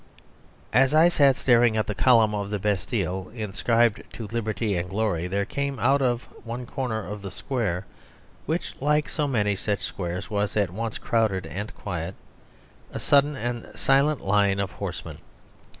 ..... As I sat staring at the column of the Bastille, inscribed to Liberty and Glory, there came out of one corner of the square (which, like so many such squares, was at once crowded and quiet) a sudden and silent line of horsemen.